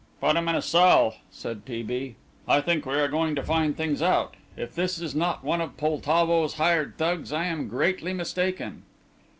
"Put him in a cell," said T. B. "I think we are going to find things out. If this is not one of Poltavo's hired thugs, I am greatly mistaken."